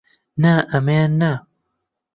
نا، ئەمەیان نا!